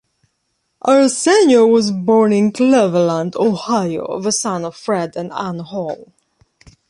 Arsenio was born in Cleveland, Ohio, the son of Fred and Anne Hall.